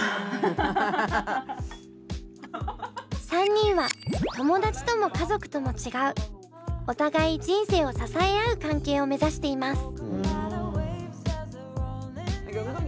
３人は友達とも家族とも違うお互い人生を支え合う関係を目指しています。